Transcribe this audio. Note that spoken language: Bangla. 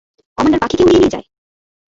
কমান্ডার পাখিকে উড়িয়ে নিয়ে যায়!